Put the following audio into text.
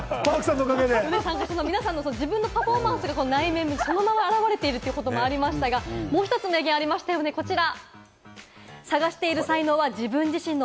皆さんの自分のパフォーマンス、内面がそのまま表れているとありましたが、もう１つ名言ありましたよね、こちら。